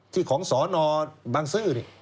ของสนบังซื้อ